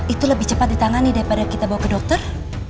itu lebih cepat ditangani daripada kita bawa ke dokter